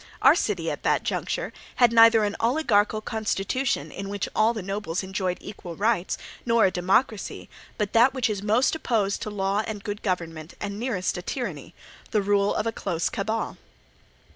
Our city at that juncture had neither an oligarchical constitution in which all the nobles enjoyed equal rights, nor a democracy, but that which is most opposed to law and good government and nearest a tyranny—the rule of a close cabal.